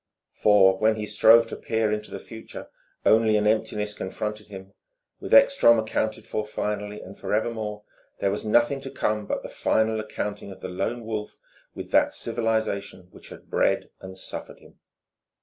For, when he strove to peer into the future, only an emptiness confronted him. With Ekstrom accounted for finally and forevermore, there was nothing to come but the final accounting of the Lone Wolf with that civilization which had bred and suffered him.